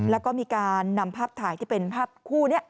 แล้วก็มีการนำภาพถ่ายที่เป็นภาพคู่นี้